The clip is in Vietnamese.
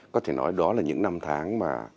có thể nói đó là những năm tháng mà